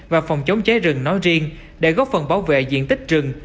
và phòng chống cháy rừng nói riêng để góp phần bảo vệ diện tích rừng